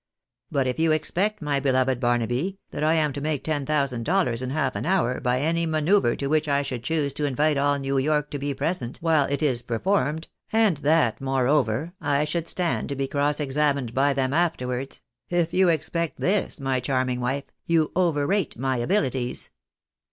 But if you expect, my beloved Barnaby, that I am to make ten thousand dollars in half an hour, by any manoeuvre to which I should choose to invite all New York to be present while i{ is per formed, and that, moreover, I should stand to be cross examined by them afterwards, if you expect this, my charming wife, you over rate my abihties."